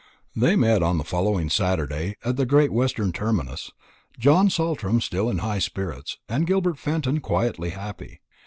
They met on the following Saturday at the Great Western terminus, John Saltram still in high spirits, and Gilbert Fenton quietly happy.